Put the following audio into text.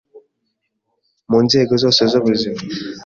mu nzego zose z’ubuzima,